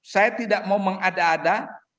saya tidak mau mengada ada